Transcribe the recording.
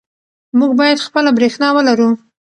موږ باید خپله برښنا ولرو.